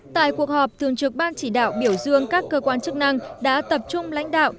tại cuộc họp thường trực ban chỉ đạo biểu dương các cơ quan chức năng đã tập trung lãnh đạo